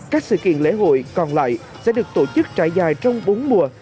các sự kiện lễ hội còn lại sẽ được tổ chức trải dài trong bốn mùa